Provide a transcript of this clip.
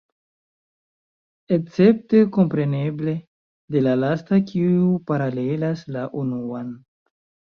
Escepte, kompreneble, de la lasta, kiu paralelas la unuan.